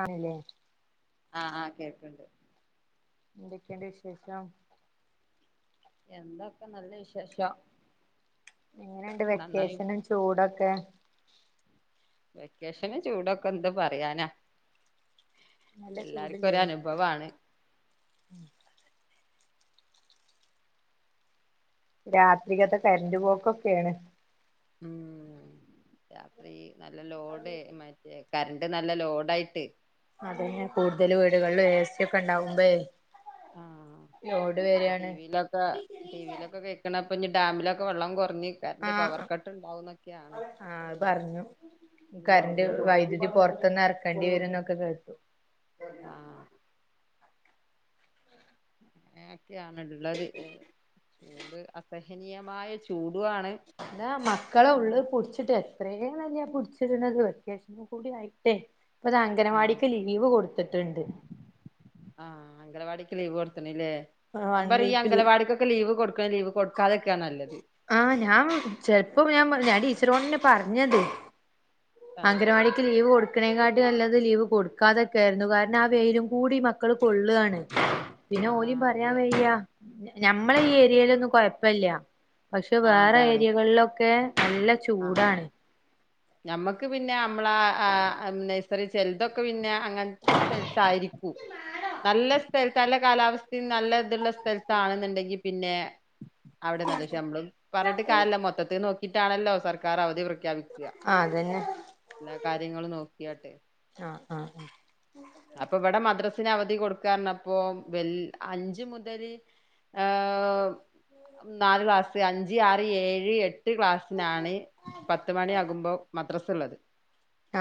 ആണല്ലേ ആഹ് ആഹ് കേക്കണണ്ട് എന്തൊക്കെയുണ്ട് വിശേഷം എന്തൊ ഇപ്പം നല്ല വിശേഷം എങ്ങനെയുണ്ട് നന്നായി വെക്കേഷനും ചൂടൊക്കെ വെക്കേഷന് ചൂടൊക്കെ എന്ത് പറയാനാ നല്ല എല്ലാർക്കും ചൂടില്ലേ ഒരു അനുഭവമാണ് രാത്രിക്കത്തെ കറന്റ് പോക്കൊക്കെയാണ് ഉം രാത്രി നല്ല ലോഡെ മറ്റേ കറണ്ട് നല്ല ലോഡായിട്ട് അത് തന്നെ കൂടുതൽ വീടുകളിലും എ സി ഒക്കെ ഉണ്ടാകുമ്പഴെ ആഹ് ഇപ്പ ടി വിലൊക്കെ ടി വിയിലൊക്കെ കേൾക്കണെ ഇപ്പ ഇനി ഡാമിലൊക്കെ വെള്ളം കുറഞ്ഞ് കറണ്ട് ആഹ് പവർ കട്ട് ഉണ്ടാവൂന്നൊക്കെയാണ് ആഹ് പറഞ്ഞു കറണ്ട് വൈദ്യുതി പുറത്തെന്ന് ഇറക്കേണ്ടി വരും എന്നൊക്കെ കേട്ടു ആഹ് അങ്ങനെ ഒക്കെയാണ് ഉള്ളത് ചൂട് അസഹനീയമായ ചൂടുവാണ് എല്ലാ മക്കള് ഉം ഉള്ളത് പൊടിച്ചിട്ടേ അത്രേ നല്ല പുടിച്ചിരുന്നത് വെക്കേഷനും കൂടി ആയിട്ടെ ഇപ്പൊ ഇതാ ആഹ് അംഗനവാടിക്ക് ലീവ് ലീവ് കൊടുത്തിട്ടുണ്ട് ആഹ് അംഗലവാടിക്ക് ലീവ് കൊടുത്തണല്ലേ ഞാൻ വൺ പറയണ് ഈ വീക്ക് ലീവ് അംഗലവാടി ക്ക് ലീവ് കൊടുക്കുക ലീവ് കൊടുക്കാതൊക്കെയാ നല്ലത് ആഹ് ഞാൻ ചിലപ്പോ ഞാൻ ഞാ ടീച്ചറോടെന്ന് പറഞ്ഞത് ആഹ് അംഗനവാടിക്ക് ലീവ് കൊടു ക്കണേക്കാട്ടി നല്ലത് ലീവ് കൊടുക്കാതൊക്കെ ആയിരുന്നു കാരണം ആ വെയിലും കൂടി മക്കള് കൊള്ളുകാണ് പിന്നെ ഓലെയും ആഹ് പറയാൻ അതെ വയ്യ ഞമ്മളെ ഈ ആഹ് ഏരിയയിലൊന്നും കൊഴപ്പവില്ല പക്ഷെ ആഹ് വേറെ അതാണ് ഏരിയകളിലൊക്കെ നല്ല ആഹ് ചൂടാണ് ഞമ്മക്ക് പിന്നെ നമ്മള് ആ നഴ്സറി ചെലൊതൊക്കെ പിന്നെ അങ്ങനത്തെ സ്ഥലത്ത് ആയിരിക്കും നല്ല സ്ഥലത്ത് നല്ല കാലാവസ്ഥയും നല്ല ഇതുള്ള സ്ഥലത്താണെന്നുണ്ടെങ്കിൽ പിന്നെ അവിടെ നല്ല ശമ്പളം പറഞ്ഞിട്ട് കാരിയമില്ല മൊത്തത്തിൽ നോക്കിയിട്ടാണല്ലോ സർക്കാർ അവധി പ്രഖ്യാപി ക്കുക ആഹ് അതന്നെ എല്ലാ കാര്യങ്ങളും നോക്കിയട്ട് ആഹ് ആഹ് അപ്പൊ ഇവിടെ മദ്രസിന് അവധി കൊടുക്കാ പറഞ്ഞപ്പോ വെ അഞ്ച് മുതൽ ഏഹ് നാല് ക്ലാസ് അഞ്ച്, ആറ്, ഏഴ്, എ ട്ട് ക്ലാസ്സിനാണ് പത്ത് മണിയാകുമ്പോ മദ്രസ ഉള്ളത്.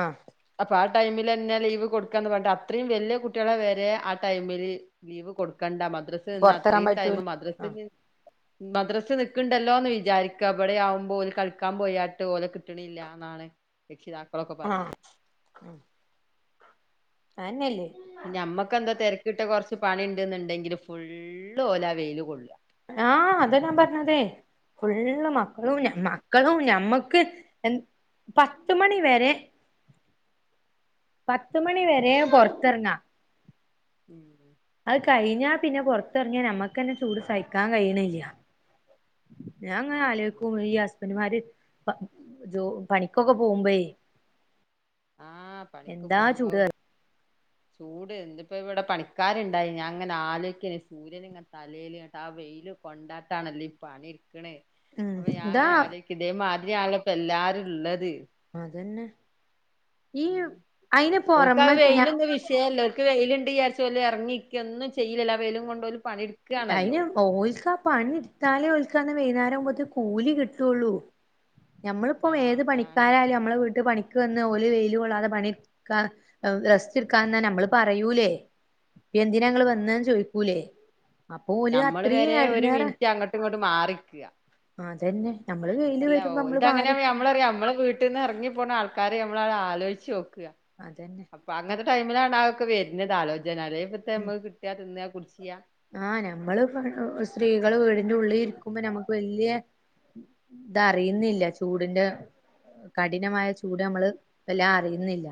ആഹ് അപ്പൊ ആ ടൈമില് തന്നെ ലീവ് കൊടുക്കാന്ന് പറഞ്ഞിട്ട് അത്രയും വലിയ കുട്ടികളെ വരെ ആ ടൈമില് ലീവ് കൊടുക്കണ്ട മദ്ര പൊറത്തെറങ്ങാൻ അത്രയും പറ്റൂല ടൈമ് ആഹ് മദ്രസി മദ്രസ് നിക്ക്ണ്ടല്ലോന്ന് വിചാരിക്ക ഇവിടെയാകുമ്പോല് കളിക്കാൻ പോയാട്ട് ഓലെ കിട്ടണില്ല. എന്നാണ് രക്ഷിതാക്കളൊക്കെ പറയിണെ ആഹ് അയന്നെ നല്ലെ ഞമ്മക്കെന്തോ തെരക്കിട്ട് കൊറച്ച പണി ഇണ്ട്ന്ന്ണ്ടെങ്കില് ഫുള്ള് ഓല് ആ വെയില് കൊള്ള ആഹ് അതാ ഞാൻ പറഞ്ഞതെ ഫുള്ള് മക്കളും ഉം ഞമ്മ മക്കളും ഞമ്മക്ക് എന്ത് പത്ത് മണിവരെ. പത്ത് മണി വരെ പൊറത്തെറങ്ങാ ഉം അഹ് കഴിഞ്ഞാ പിന്നെ പൊറത്തിറങ്ങിയാ നമ്മക്കെന്നെ ചൂട് സഹിക്കാൻ കഴിയ്ണില്ല. ഞാൻ ഇങ്ങനെ ആഹ് ആലോയ്ക്കും ഈ ഹസ്ബൻഡുമാര് പ ജോ പണിക്കൊക്കെ പോകുമ്പളെ ആഹ് പണിക്ക് എന്താ പോകുമ്പോ ചൂട് ചൂട് ഇന്ന്പ്പോ ഇവിടെ പണിക്കാര്ണ്ടായിനി ഞാ ഇങ്ങനെ ആലോയിക്കേനി സൂര്യനിങ്ങനെ തലേല് ഇങ്ങെട്ട് ആ വെയില് കൊണ്ടാട്ടാണല്ലേ ഈ പണി ഇട്ക്ക്ണെ ഉം അപ്പൊ ഞാൻ എന്താ ഇങ്ങനെ ആലോയിക്കും ഇതേമാതിരി ആണല്ലോ ഇപ്പൊ എല്ലാരും ഇള്ളത്. അതന്നെ. ഈ ഉം അയിന് ഓൽക്കാ പൊറമെ ഞ വെയിലൊന്നും വിഷയല്ല ഓൽക്. ഓൽക്ക് വെയില്ണ്ട് വിചാരിച്ചോല് എറങ്ങിക്കെ ഒന്നും ചെയിലല്ലോ ആ വെയിലും കൊണ്ട് ഓല് പണിയി അയിന് ഓൽക്കാ പണി ഇട്ത്താലേ ഓൽക്കങ്ങനെ വൈന്നേരം ആകുമ്പോത്തിന് കൂലി കിട്ടൊള്ളൂ. ഞമ്മളിപ്പം ആഹ് ഏത് അതാണ് പണിക്കാരായാലും നമ്മളെ വീട്ട് പണി ക്ക് വന്ന് ഓല് വെയില് കൊള്ളാതെ പണിട്ക്കാതെ റെസ്റ്റ് എടുക്കാ നിന്ന നമ്മള് പറയൂലേ? എന്തിനാ ഇങ്ങള് വന്നേന്ന് ആഹ് ചോയ്ക്കൂലേ? ഞമ്മള് വരെ ഒരു മിനിറ്റ് അങ്ങട്ടും ഇങ്ങട്ടും മാറിക്ക അതന്നെ. നമ്മള് വെയില് എല്ല വരുമ്പോ നമ്മള് ഓൽതങ്ങനാവുമ്പം മാറിക്കണം ഞമ്മളറിം ഞമ്മളും വീ ട്ടിന്ന് എറങ്ങിപ്പോണ ആൾക്കാരെ നമ്മള് ഒന്ന് ആലോയിച്ച് നോക്ക അതന്നെ. അപ്പൊ അങ്ങത്തെ ടൈമിലാണ് അഹൊക്കെ വര്ണത് ആലോചന അല്ലെങ്കിപ്പെത്ത നമ്മക്ക് കിട്ട തിന്ന കുടിച്ച പ ആഹ് നമ്മള് സ്ത്രീകള് വീടിന്റെ ഉള്ളി ഇരിക്കുമ്പോ നമ്മുക്ക് വല്യ ഇതറിയുന്നില്ല ചൂടിന്റെ കഠിനമായ ചൂട് നമ്മള് വെല്ലാ അറിയുന്നില്ല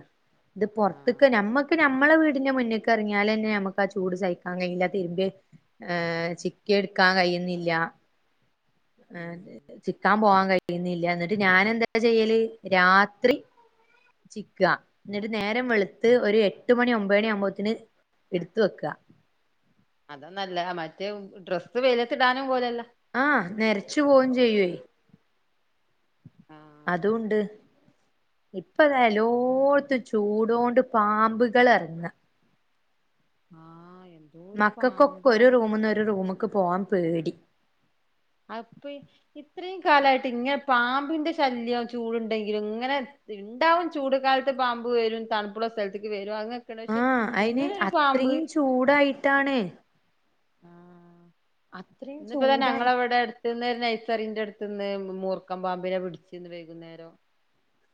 ഇത് പൊറത്ത്ക്ക് ആഹ് നമ്മക്ക് നമ്മളെ വീടിന്റെ മുന്നിക്ക് എറങ്ങിയാലെന്നെ ന്നെ നമുക്ക് ആ ചൂട് സഹിക്കാൻ കഴിയില്ല തിരുമ്പിയെ ഏഹേ ചിക്കിയെ എടുക്കാൻ കഴിയുന്നില്ല ഉം ചിക്കാൻ പോവാൻ കഴിയുന്നില്ല എന്നിട്ട് ഞാനെന്താ ചെയ്യല് രാത്രി ചിക്ക ഇന്നിട്ട് നേരം വെളുത്ത് ഒരു എട്ട് മണി ഒമ്പത് മണി ആകുമ്പോത്തിന് ഇടുത്ത് വെക്ക. അതാ നല്ലെ മറ്റേ ഡ്രസ്സ് വെയിലത്തിടാനും പോവൂലല്ലോ? ആഹ് ന്നെരച്ചു പോവും ചെയ്യുവേ ആഹ് അതൂണ്ട്. ഇപ്പൊതാ എല്ലോട്ത്തും ചൂടോണ്ട് പാമ്പുകളെറങ്ങ. ആഹ് എ മക്കക്കൊക്കെ ഒരു റൂമിന്ന് ഒരു റൂമ്ക്ക് പോവാൻ പേടി. അഹ് ഇപ്പ ഇത്രയും കാലായിട്ട് ഇങ്ങനെ പാമ്പിന്റെ ശല്യം ചൂടുണ്ടെങ്കിലും ഇങ്ങനെ ഇണ്ടാവും ചൂട് കാലത്ത് പാമ്പ് വരും തണുപ്പുള്ള സ്ഥലത്ത്ക്ക് വരും അങ്ങനെത്തെ പക്ഷെ ആഹ് അയിന് ഇങ്ങനെ ഒരു പാമ്പ് അത്രയും ചൂടായിട്ടാണ്. അത്രയും ഇന്നിപ്പതാ ചൂടായി ഞങ്ങളെവിടെ അട് ത്ത്ന്ന് നെയ്സറിന്റെ അടുത്ത്ന്ന് മൂർക്കം പാമ്പിനെ പിടിച്ചിന്ന് വൈകുന്നേരം.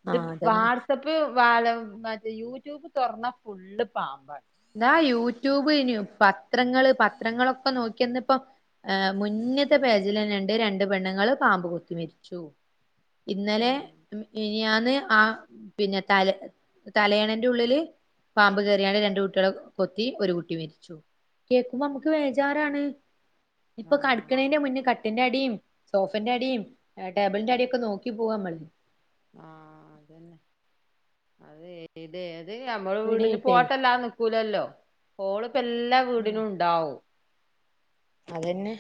ഇത് ആഹ് അതന്നെ വാട്സപ്പ് വാലം മറ്റേ യൂട്യൂബ് തുറന്ന ഫുള്ള് പാമ്പാണ്. ന്താ യൂട്യൂബെയ്നു പത്രങ്ങള് പത്രങ്ങളൊക്കെ നോക്കിന്നപ്പം ഏഹ് മുന്നിൽത്തെ പേജിലെന്നെണ്ട് രണ്ട് പെണ്ണ്ങ്ങള് പാമ്പ് കൊത്തി മരിച്ചു. ഇന്നലെ മ് മിനിയാന്ന് ആഹ് പിന്നെ തല തലയണന്റുള്ളില് പാമ്പ് കയറിങ്ങാണ്ട് രണ്ട് കുട് ട്ടെളെ കൊത്തി ഒരു കുട്ടി മരിച്ചു. കേക്കുമ്പോ അമുക്ക് വേജാറാണ്. ഇപ്പൊ ആഹ് കടിക്കണേന്റെ മുന്നേ ക ട്ടിന്റടീം, സോഫന്റടീം, എ ടേബിളിന്റടിയൊക്ക നോക്കി പോവാമ്മള്. ആഹ് അതന്നെ അത് ഏതേത് നമ്മള് വീടിന് പേടിയായിട്ടേ പോട്ടല്ലാനി ക്കൂലല്ലോ. ഹോള്പ്പെല്ലാ ഉം വീടിനുണ്ടാവും. അതന്നെ.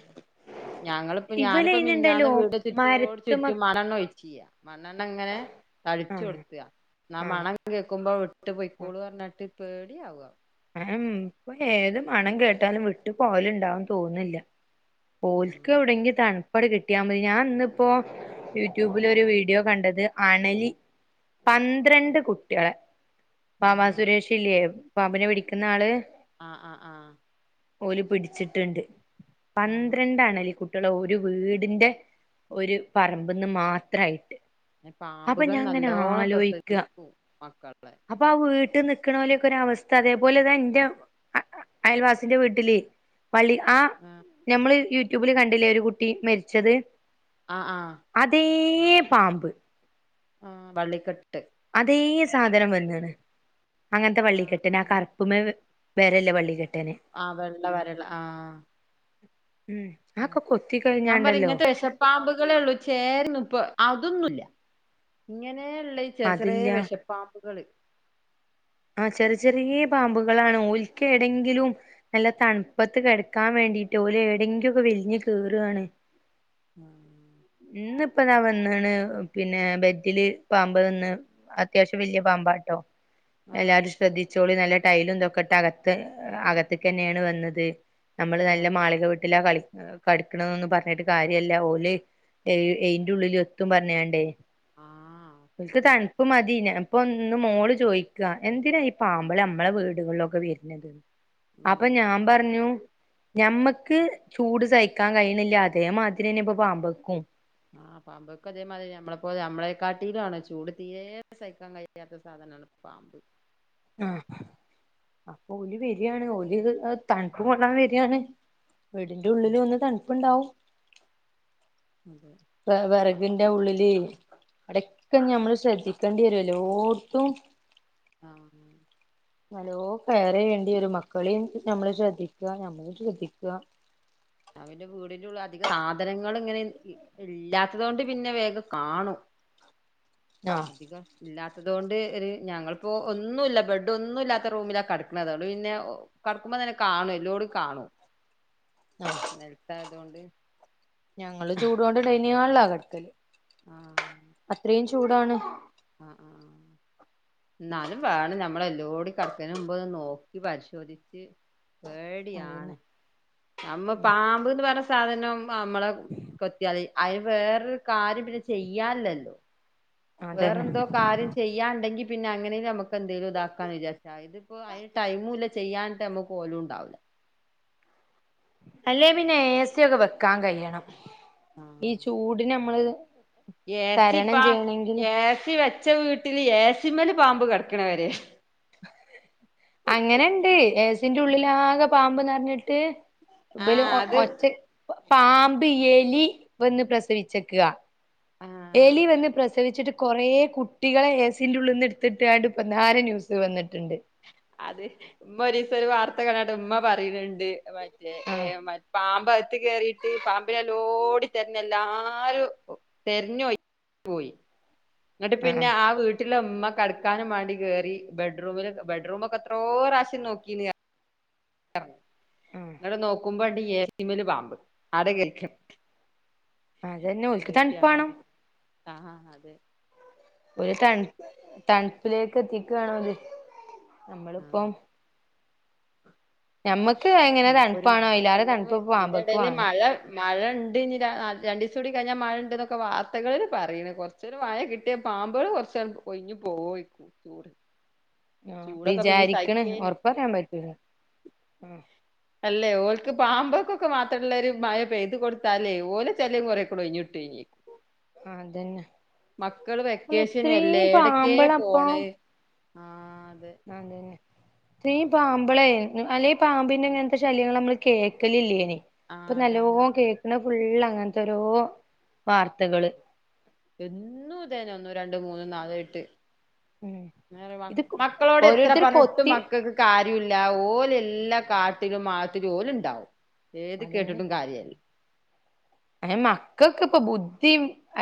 ഞങ്ങള്പ്പ ഞാനിപ്പോ മിഞ്ഞാന്ന് ഇവലയ്ന്ണ്ടല്ലോ വീട് ചുറ്റോട് മരത്ത്മ്മ ചുറ്റും മണെണ്ണ ഒയ്ച്ചിയ മണ്ണെണ്ണങ്ങനെ ആഹ് തളിച്ചുഒട്ത്യ ആ ആഹ് മണം കേക്കുമ്പോ വിട്ട് പെയ്ക്കോളുറഞ്ഞിട്ട് പേടിയാവ. എഎം പ്പൊ ഏത് മണം കേട്ടാലും വിട്ട് പോവലുണ്ടാവുന്ന് തോന്നില്ല. ഉം ഓൽക്കെവിടെങ്കി തൺ പ്പൺ കിട്ടിയാ മതി ഞാൻ ന്നിപ്പോ യൂട്യൂബ്ലൊരു വീഡിയോ കണ്ടത് അണലി പന്ത്രണ്ട് കുട്ട്യേളെ ബാവാ ആഹ് സുരേഷില്ലേ പാമ്പിനെ പിടിക്കുന്നാള് ആഹ് ആഹ് ആഹ്. ഓല് പിട്ച്ചിട്ട്ണ്ട് ആഹ് പന്ത്രണ്ടണലിക്കു ട്ട്യാളെ ഒരു വീട്ന്റെ ഒരു പറമ്പ്ന്ന് മാത്രായിട്ട്. നെ അപ്പൊ പാമ്പുകൾ ഞാൻ ഇങ്ങനെ നല്ലോണം പ്രസവിക്കു മക്കള് അപ്പ ആ വീട്ടി നിക്ക്ണോലെക്കരവസ്ഥതേപ് പോലെത ന്റെ അയൽവാസിന്റെ വീട്ട്ല് പളി ആഹ് ആഹ്. ഞമ്മള് യൂട്യൂബില് കണ്ടില്ലേ ഒരു കുട്ടി മരിച്ചത്. ആഹ് ആഹ്. അതേ പാമ്പ്. ആഹ് വള്ളിക്കെട്ട്. അതേ സാധനം വന്ന്ണ്. അങ്ങനത്തെ ആഹ് വള്ളികെട്ടിനെ ആ കർ പ്പുമേ വ് വെരല്ലേ വള്ളി കെട്ടേനെ ആഹ് വെള്ള വരള്ളെ ആഹ്. ഉം ആക്കൊ കൊത്തി കഴിഞ്ഞാണ്ടല്ലോ. പാമ്പുകളേള്ളൂ ചേരന്ന്പ്പൊ അതൊന്നുല്ല ഇങ്ങനേള്ളെ ചെർ ചെറേ അതില്ല വെശപ്പാമ്പുകള്. ആഹ് ചെർ ചെറീയ പാമ്പുകളാണ് ഓൽക്കെവ്ടെങ്കിലും നല്ല തണുപ്പത്ത് കെടക്കാൻ വേണ്ടിട്ട് ഓലെവിങ്കെക്കെവെല്ഞ്ഞ് കേറാണ്. ഉം. ന്ന് പ്പ ഞാ വന്ന്ണ് പിന്നെ ബെഡില് പാമ്പ് നിന്ന് അത്യാശ്യം വല്യ പാമ്പാട്ടോ. എല്ലാരും ആഹ് ശ്രദ്ധിച്ചോളി നല്ല ടൈലും തൊക്കെട്ട് അകത്ത് അകത്തേക്കെന്നേണ് വന്നത്. നമ്മള് നല്ല മാളിക വീട്ടിലാ കളിക്ക കടിക്കണൊന്ന് പറഞ്ഞിട്ട് കാര്യല്ല ഓല് എഴ് എയ്ന്റെ ഉള്ളിലു എത്തും പറഞ്ഞാണ്ടേ ആഹ് ൽക്ക് തണുപ്പ് മതി ഇപ്പോന്ന് മോള് ചോയ് ക്ക എന്തിനാ ഈ പാമ്പള് മ്മളെ വീട്കളിലൊക്കെ വെര്ന്നത് അപ്പം ഉം ഞാൻ പറഞ്ഞു ഞമ്മക്ക് ചൂട് സഹിക്കാൻ കഴിയണില്ല അതേമാതിരെന്നെ പ്പൊ പാമ്പെക്കും ആഹ് പാമ്പൊക്കെ അതേമാതിരി നമ്മളപ്പോലെ നമ്മളെകാട്ടിലു ആണ്ചൂട് തീരെ സഹിക്കാൻ കഴ്യാത്ത സാധന നാണ് പാമ്പ് ഉം അപ്പൊ ഓൽ വരിയാണ് ഓൽ തണുപ്പൂ കൊള്ളാൻ വരിയാണ് വീടിന്റെ ഉള്ളില് വന്ന് തണുപ്പുണ്ടാവും അതെ വെ വെറകിന്റെ ഉള്ളില് അവിടൊക്കെ ഞമ്മള് ശ്രദ്ധിക്കേണ്ടി വരും എല്ലോട്ത്തും ആഹ് നല്ലോം കെയറെയ്യേണ്ടി വരും മക്കളെയും നമ്മള് ശ്രദ്ധിക്കുക നമ്മളും ശ്രദ്ധിക്കുക ഞാൻ പിന്നെ വീടിനുള്ളിൽ അധികം സാധനങ്ങൾ ഇങ്ങനെ ഇല്ലാത്തത് കൊണ്ട് പിന്നെ വേഗം കാണും ആഹ് അധികം ഇല്ലാത്തത് കൊണ്ട് ഒരു ഞങ്ങളിപ്പോ ഒന്നുമില്ല ബെഡ് ഒന്നുല്ലാത്ത റൂമിലാ കിടക്കണത് അതോണ്ട് പിന്നെ കടക്കുമ്പോ തന്നെ കാണും എല്ലോടും കാണും ആഹ് നൽത്തായതുകൊണ്ട് ഞങ്ങള് ചൂടോണ്ട് ഡൈനിങ് ഹാളിലാ കിടക്കല് ആഹ് അത്രയും ചൂടാണ് ആഹ് ആഹ് എന്നാലും വേണം നമ്മളെല്ലോടിം കടക്കണ മുമ്പ് നോക്കി പരിശോധിച്ച് പേടിയാണ് അതന്നെ നമ്മ ഉം പാമ്പ്ന്ന് പറഞ്ഞ സാധനം നമ്മളെ കൊത്തിയാല് അയ്ന് വേറൊരു കാര്യം പിന്നെ ചെയ്യാൻല്ലല്ലോ വേറെ അതന്നെ എന്തോ കാര്യം ചെയ്യാണ്ടെങ്കിൽ പിന്നെ അങ്ങനെലും നമുക്ക് എന്തേലും ഇതാക്കാന്ന് വിചാരിച് പക്ഷ ഇതിപ്പോ അതിന് ടൈമുല്ല ചെയ്യാനായിട്ട് നമക്ക് ഓലും ഉണ്ടാവില്ല അല്ലെ പിന്നെ ഏ സിയൊക്കെ വെക്കാൻ കഴിയണം ഈ ചൂടിന് നമ്മള് ഏ സി തരണം പ്പൊ ചെയ്യണെങ്കില് ഏ സി വെച്ച വീട്ടില് ഏ സി മല് പാമ്പ് കിടക്കണവരെ അങ്ങനെണ്ട് ഏ സിന്റെ ഉള്ളിലാകെ പാമ്പ് നിറഞ്ഞിട്ട് ല് ആഹ് അത് ഒച്ച പാമ്പ് എലി വന്ന് പ്രസവിച്ചേക്കുവാ ആഹ് എലി വന്ന് പ്രസ് സവിച്ചിട്ട് കുറേ കുട്ടികളെ ഏസിന്റെ ഉള്ളിൽ നിന്ന് എടുത്തിട്ട് ഇപ്പം നാരെ ന്യൂസ് വന്നിട്ടുണ്ട് അത് ഉമ്മ ഒരീസം ഒരു വാർത്ത കണ്ടിട്ട് ഉമ്മ പറയുന്നുണ്ട് മറ്റേ ആഹ് ഏഹ് മ പാമ്പ ത്ത് കേറിട്ട് പാമ്പിനെല്ല ഓടി തെരഞ്ഞ് എല്ലാരും തെരഞ്ഞോയി പോയി എന്നിട്ട് പിന്നെ ആഹ് ആ വീട് വീട്ടിലെ ഇമ്മ കെടക്കാനും മാണ്ടി കയറി ബെഡ്റൂമില് ബെഡ്റൂമൊക്കെ എത്രോ പ്രാവശ്യം നോക്കീന് ആഹ് ന്നട്ട് നോക്കുമ്പോണ്ട് ഏസിമല് പാമ്പ് ആടെ കേറിക്കാണ് അതന്നെ ഓൽക്ക് തണുപ്പാണം ഇതൊക്കെയാണ് ആഹ് അതെ ഒരു തണ തണുപ്പിലേക്ക് എത്തിയേക്കണോല് നമ്മളിപ്പം ആഹ് ഞമ്മക്ക് എങ്ങനെ ഇനി ഇപ്പൊ ഒരു [inaudible] തണുപ്പാണോ മാസ അയിലേറെ തണുപ്പ് ഇതിന്റെ പാമ്പക്ക് ഇടയിൽ വാണം മഴ മഴ ഉണ്ട് ഇനി രണ്ടു ദിവസം കൂടി കഴിഞ്ഞാൽ മഴ ഉണ്ട് എന്നൊക്കെ വാർത്തകള് പറയണ് കുറ ചൊരു മഴ കിട്ടിയൽ പാമ്പുകൾ കുറച്ച് ഒഴിഞ് പോയിക്കും ചൂട് ആഹ് ചൂടൊക്കെ പിന്നെ വിചാരിക്കണ് സഹിക്കേനി ഉറപ്പറയാൻ പറ്റൂല ആഹ് അല്ലേ ഓൾക്ക് പാമ്പോക്കൊക്കെ മാത്രമുള്ള ഒരു മഴ പെയ്ത് കൊടുത്താലേ ഓലെ ശല്യം കുറേക്കുടെ ഒഴിഞ്ഞിട്ടൊയ്ന് അതന്നെ മക്കള് അല്ല വെക്കേഷനല്ലേ ഇത്രയും എടക്കേ പാമ്പള പോണ് ആഹ് അതെ ആഹ് അതന്നെ ഈ പാമ്പളെ അല്ലെഈ പാമ്പിന്റെ ഇങ്ങനത്തെ ശല്യങ്ങൾ നമ്മള് കേൾക്കലില്ലേന് ഇപ്പൊ ആഹ് നല്ലോ അതാണ് കേൾക്കണ ഫുള്ള് അങ്ങനത്തെ ഓരോ വാർത്തകള് എന്നും ഇതന്നെ ഒന്നു രണ്ടും മൂന്നും നാലു ആയിട്ട് ഉം ഇത് [unintelligible] മക്കളോട് എത്ര ഓരോരുത്തര് പറഞ്ഞിട്ടും കൊത്തി മക്കൾക്ക് കാര്യമില്ല ഓൽ എല്ലാ കാട്ടിലും മാളത്തിലും ഓൽ ഉണ്ടാവും ഏത് കേട്ടിട്ടും കാര്യല്ല അയിന് മക്കക്ക് ഇപ്പൊ ബുദ്ധി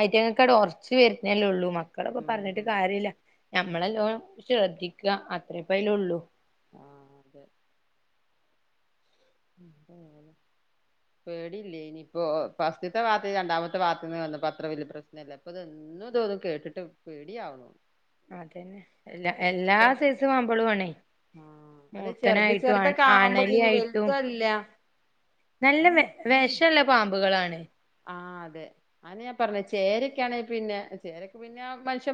ഐറ്റങ്ങക്കാട് ഉറച്ചാ വരുന്നേലെ ഉള്ളൂ മ മക്കളൊക്കെ പറഞ്ഞിട്ട് കാര്യല്ല ഞമ്മള് നല്ലോ ശ്രദ്ധിക്ക അത്രേപ്പെ അയ്ല് ഉള്ളൂ ആഹ് അതെ ഉം അതാണ് പേടില്ലേനി ഇപ്പോ ഫസ്റ്റ്ത്തെ ഭാത്ത് രണ്ടാമത്തെ ഭാഗത്ത്ന്ന് വന്ന് അത്ര വലിയ പ്രശ്ന ല്ല ഇപ്പത് എന്നും തോന്നും കേട്ടിട്ട് പേടിയാവുന്നു അതന്നെ എല്ലാ എല്ലാ സൈസും പാമ്പളും ആണേ ആഹ് അത് ചെറുത് മൂർക്കനായിട്ടും ആ ചെറുതൊക്കെ ആവുമ്പോ ആണലി പിന്നെ ആയിട്ടും വലുതല്ല നല്ല വ വഷള്ള പാമ്പുകളാണ് ആഹ് അതെ അതന്നെ ഞാൻ പറഞ്ഞ ചേരക്കാണേ പിന്നെ ചേരക്ക് പിന്നെ മനുഷ്യ